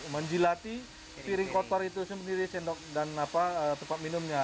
menjilati piring kotor itu sendiri sendok dan tempat minumnya